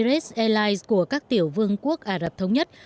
tổng emirates airlines của các tiểu vương quốc ả rập thống nhất